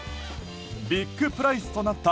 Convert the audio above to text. ビッグプライスとなった